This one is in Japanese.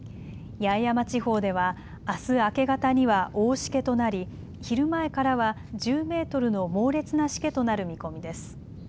八重山地方では、あす明け方には大しけとなり昼前からは１０メートルの猛烈なしけとなる見込みです。